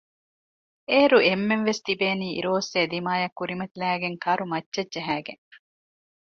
އޭރު އެންމެންވެސް ތިބޭނީ އިރުއޮއްސޭ ދިމާއަށް ކުރިމަތިލައިގެން ކަރުމައްޗަށް ޖަހައިގެން